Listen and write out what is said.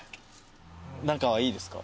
仲はいいですか？